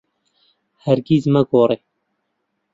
هەرگیز مەگۆڕێ.